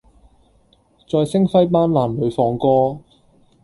在星輝斑斕裡放歌